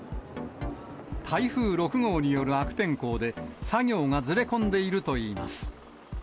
台風６号による悪天候で、作業がずれ込んでいるといいます。